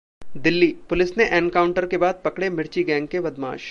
Delhi: police ने encounter के बाद पकड़े मिर्ची गैंग के बदमाश